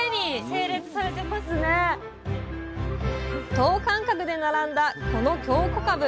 等間隔で並んだこの京こかぶ。